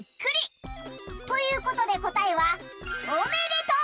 ということでこたえは「おめでとう！」。